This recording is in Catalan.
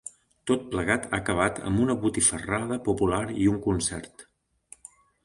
Tot plegat ha acabat amb una botifarrada popular i un concert.